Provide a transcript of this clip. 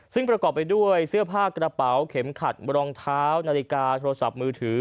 ซึ่งประกอบไปด้วยเสื้อผ้ากระเป๋าเข็มขัดรองเท้านาฬิกาโทรศัพท์มือถือ